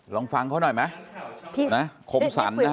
ลองฟังพูดหน่อยมาที้นา